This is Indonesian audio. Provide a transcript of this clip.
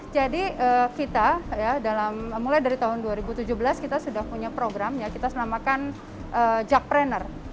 jadi kita ya dalam mulai dari tahun dua ribu tujuh belas kita sudah punya program ya kita namakan jakpreneur